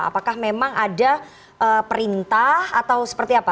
apakah memang ada perintah atau seperti apa